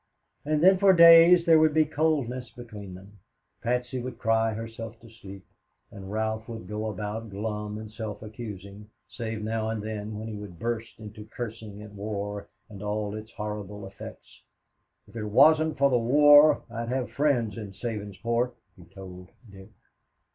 And then for days there would be coldness between them. Patsy would cry herself to sleep, and Ralph would go about glum and self accusing, save now and then when he would burst into cursing at war and all its horrible effects. "If it wasn't for the war, I'd have friends in Sabinsport," he told Dick.